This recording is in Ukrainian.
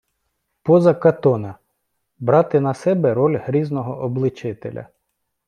Поза Катона— брати на себе роль грізного обличителя